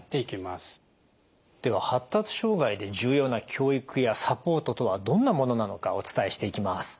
では発達障害で重要な教育やサポートとはどんなものなのかお伝えしていきます。